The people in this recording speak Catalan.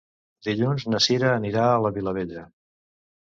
Dilluns na Sira anirà a la Vilavella.